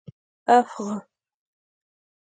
افغ